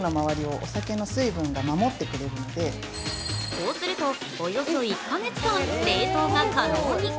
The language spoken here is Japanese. こうすると、およそ１か月間、冷凍が可能に。